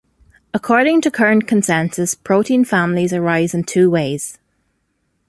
According to current consensus, protein families arise in two ways.